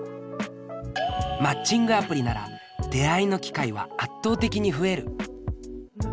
マッチングアプリなら出会いの機会は圧倒的に増える。